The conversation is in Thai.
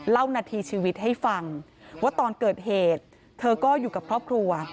นาทีชีวิตให้ฟังว่าตอนเกิดเหตุเธอก็อยู่กับครอบครัว